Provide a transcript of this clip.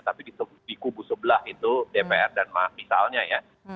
tapi di kubu sebelah itu dpr dan misalnya ya